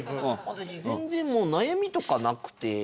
私全然もう悩みとか無くて。